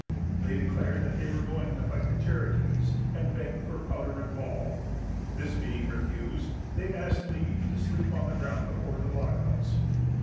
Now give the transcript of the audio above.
They declared that they were going to fight the Cherokees, and begged for powder and ball. This being refused, they asked leave to sleep on the ground before the blockhouse.